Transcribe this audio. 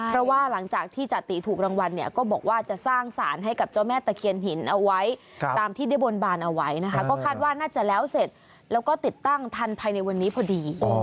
เพราะว่าหลังจากที่จติถูกรางวัลเนี่ยก็บอกว่าจะสร้างสารให้กับเจ้าแม่ตะเคียนหินเอาไว้ตามที่ได้บนบานเอาไว้นะคะก็คาดว่าน่าจะแล้วเสร็จแล้วก็ติดตั้งทันภายในวันนี้พอดี